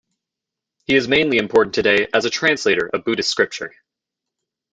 He is mainly important today as a translator of Buddhist scripture.